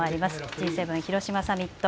Ｇ７広島サミット、